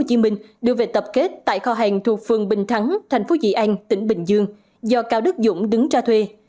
công an tp hcm đưa về tập kết tại kho hàng thuộc phường bình thắng tp di an tỉnh bình dương do cao đức dũng đứng ra thuê